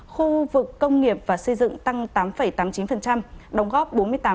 khu vực công nghiệp và xây dựng tăng tám tám mươi chín đóng góp bốn mươi tám